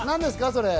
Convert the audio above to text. それ。